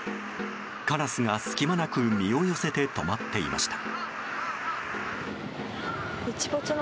カラスが隙間なく身を寄せて止まっていました。